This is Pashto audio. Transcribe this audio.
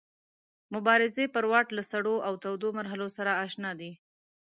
مبارزې پر واټ له سړو او تودو مرحلو سره اشنا دی.